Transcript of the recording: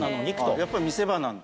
やっぱり見せ場なんだ。